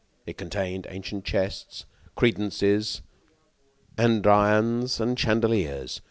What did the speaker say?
It contained ancient chests, credences, andirons and chandeliers.